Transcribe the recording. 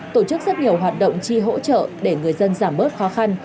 tổ chức rất nhiều hoạt động chi hỗ trợ để người dân giảm bớt khó khăn